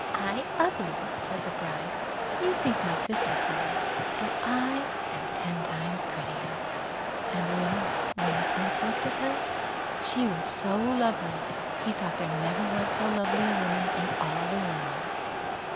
"I ugly", said the bride; "you think my sister pretty, but I am ten times prettier"; and lo! when the Prince looked at her, she was so lovely, he thought there never was so lovely a woman in all the world.